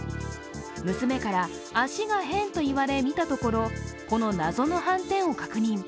娘から、足が変と言われ見たところ、この謎の斑点を確認。